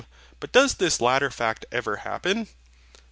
But does this latter fact ever happen?